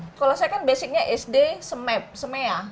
kalau saya kan basicnya sd semea